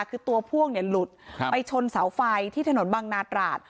คือตัวพ่วงเนี่ยหลุดไปชนเสาไฟที่ถนนบังนาตราด